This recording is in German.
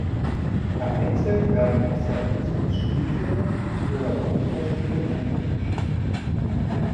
Vereinzelt werden auch Samples aus Spielfilmen oder Computerspielen eingemischt.